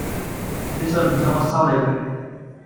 你信唔信我收你皮